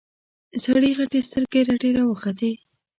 سړي غتې سترګې رډې راوختې.